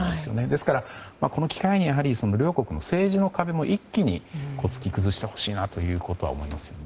ですから、この機会にやはり両国の政治の壁も一気に突き崩してほしいなとは思いますね。